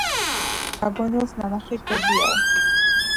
გაგონილს ნანახი სჯობიაო